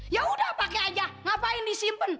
ya udah pake aja ngapain disimpen